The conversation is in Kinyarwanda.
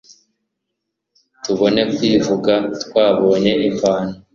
Tubone kwivuga twabonye imvano